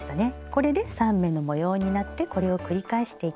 これで３目の模様になってこれを繰り返していきます。